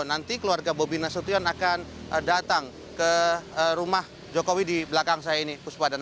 nanti keluarga bobby nasution akan datang ke rumah jokowi di belakang saya ini